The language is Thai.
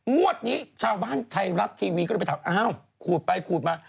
งวดนี้ชาวบ้านไทยรัฐทีวีก็เลยไปถามอ้าวขูดไปขูดมา